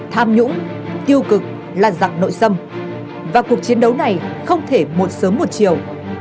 tham nhũng tiêu cực là dạng nội dâm và cuộc chiến đấu này không thể một sớm một chiều